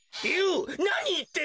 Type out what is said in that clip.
なにいってんの？